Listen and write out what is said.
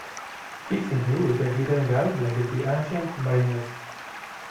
Fixing me with a glittering eye, like the Ancient Mariner.